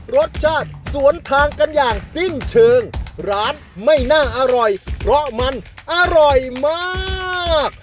รสชาติสวนทางกันอย่างสิ้นเชิงร้านไม่น่าอร่อยเพราะมันอร่อยมาก